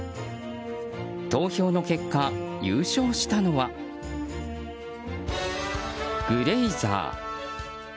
投票の結果、優勝したのはグレイザー。